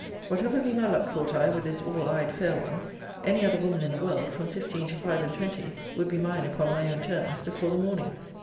Whatever be my luck, thought I, with this all eyed fair one, any other woman in the world, from fifteen to five and twenty, would be mine upon my own terms before the morning.